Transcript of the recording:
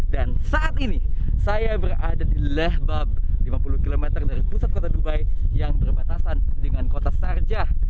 dan saat ini saya berada di lahbab lima puluh km dari pusat kota dubai yang berbatasan dengan kota sarjah